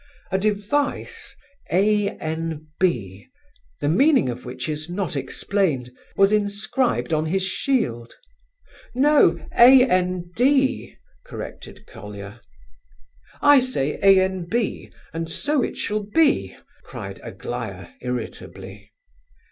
A device—A. N. B.—the meaning of which is not explained, was inscribed on his shield—" "No, A. N. D.," corrected Colia. "I say A. N. B., and so it shall be!" cried Aglaya, irritably.